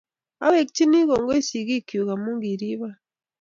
Awekchini kongoi sigik chuk amun koripon